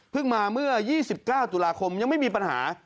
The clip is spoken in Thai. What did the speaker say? มาเมื่อ๒๙ตุลาคมยังไม่มีปัญหา